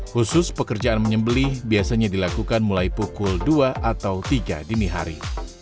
khusus pekerjaan menyembelih biasanya dilakukan mulai pukul dua atau tiga dini hari